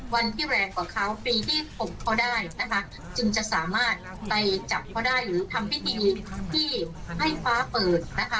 วันที่แรงกว่าเขาปีที่หกเขาได้นะคะจึงจะสามารถไปจับเขาได้หรือทำพิธีที่ให้ฟ้าเปิดนะคะ